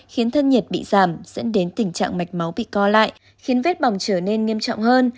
khiến thân nhiệt bị giảm dẫn đến tình trạng mạch máu bị co lại khiến vết bỏng trở nên nghiêm trọng hơn